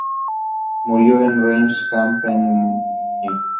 Murió en Reims, Champagne.